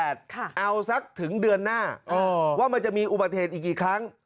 เอาสักถึงเดือนหน้าว่ามันจะมีอุบัติเหตุอีกกี่ครั้ง